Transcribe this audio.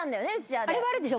あれはあれでしょ？